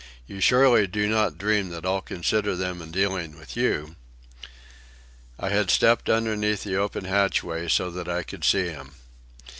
You surely do not dream that I'll consider them in dealing with you?" I had stepped underneath the open hatchway so that I could see him.